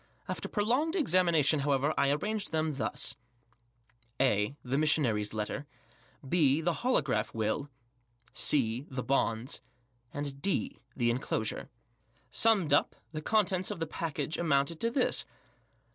After prolonged examination, however, I arranged them thus : (a) The Missionary's Letter. (J?) The Holograph Will. (c) The Bonds. yd) The Enclosure. Summed up, the contents of the packet amounted to this.